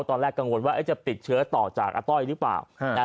ตอนแรกกังวลว่าจะติดเชื้อต่อจากอาต้อยหรือเปล่านะฮะ